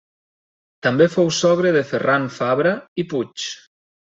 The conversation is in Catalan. També fou sogre de Ferran Fabra i Puig.